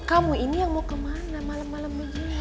kamu ini yang mau kemana malem malem ini